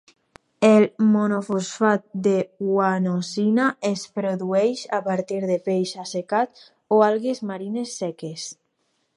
El monofosfat de guanosina es produeix a partir de peix assecat o algues marines seques.